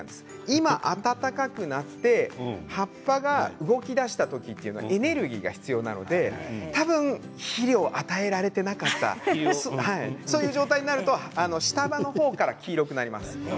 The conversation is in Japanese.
今、暖かくなって葉っぱが動きだした時というのはエネルギーが必要なので多分肥料を与えられていなかったそういう状態になると下葉の方から黄色くなります。